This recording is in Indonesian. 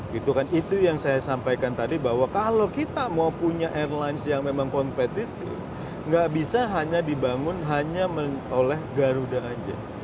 gitu kan itu yang saya sampaikan tadi bahwa kalau kita mau punya airlines yang memang kompetitif nggak bisa hanya dibangun hanya oleh garuda aja